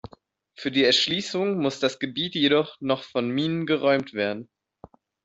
Für die Erschließung muss das Gebiet jedoch noch von Minen geräumt werden.